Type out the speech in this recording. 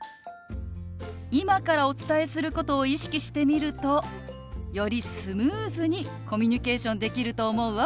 今からお伝えすることを意識してみるとよりスムーズにコミュニケーションできると思うわ。